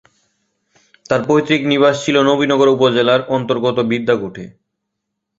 তাঁর পৈতৃক নিবাস ছিল নবিনগর উপজেলার অন্তর্গত বিদ্যাকূটে।